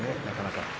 なかなか。